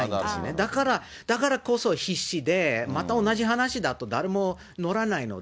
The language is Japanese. だから、だからこそ必死でまた同じ話だと、誰も乗らないので。